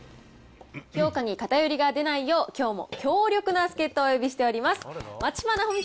評価に偏りが出ないよう、きょうも強力な助っ人をお呼びしております。